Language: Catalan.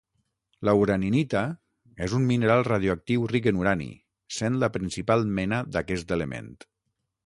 La uraninita és un mineral radioactiu ric en urani, sent la principal mena d'aquest element.